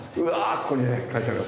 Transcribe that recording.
ここにね書いてありますね